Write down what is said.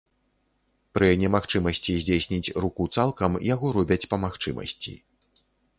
Пры немагчымасці здзейсніць руку цалкам, яго робяць па магчымасці.